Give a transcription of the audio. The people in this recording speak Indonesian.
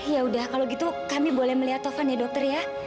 ya udah kalau gitu kami boleh melihat tovan ya dokter ya